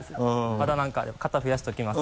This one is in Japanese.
またなんかあれば型増やしておきます。